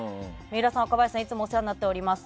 水卜さん、若林さんいつもお世話になっております。